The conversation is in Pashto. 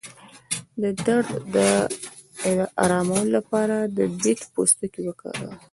د درد د ارامولو لپاره د بید پوستکی وکاروئ